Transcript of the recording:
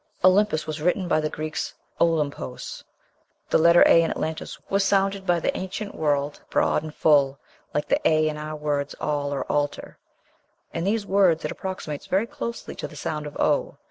Olympus was written by the Greeks "Olumpos." The letter a in Atlantis was sounded by the ancient world broad and full, like the a in our words all or altar; in these words it approximates very closely to the sound of o.